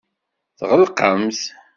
Tɣelqemt.